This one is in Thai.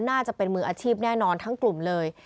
น่าจะเป็นมืออาชีพแน่นอนทั้งกลุ่มเลย